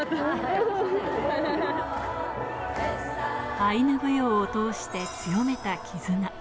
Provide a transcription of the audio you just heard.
アイヌ舞踊を通して強めたきずな。